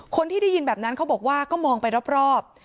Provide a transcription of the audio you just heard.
คนที่ได้ยินแบบนั้นเขาบอกว่าก็มองไปรอบ